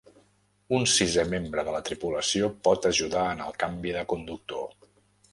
Un sisè membre de la tripulació pot ajudar en el canvi de conductor.